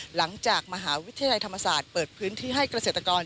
หลังจากมหาวิทยาลัยธรรมศาสตร์เปิดพื้นที่ให้เกษตรกร